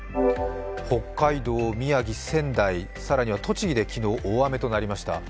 北海道、宮城、仙台、更には栃木でも昨日、大雨となりました。